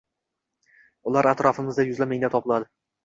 Ular atrofimizda yuzlab-minglab topiladi